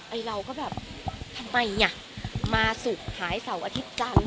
ไอเราก็แบบทำไมเนี้ยมาสุขหายเสาร์อาทิตย์จันทร์